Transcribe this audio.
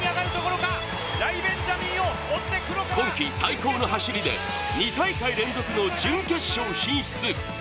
今季最高の走りで２大会連続の準決勝進出。